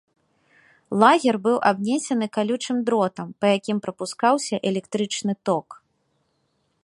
Лагер быў абнесены калючым дротам, па якім прапускаўся электрычны ток.